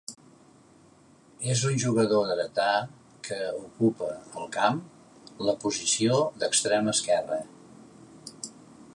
És un jugador dretà que ocupa, al camp, la posició d'extrem esquerre.